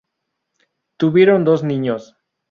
Tuvieron dos niños.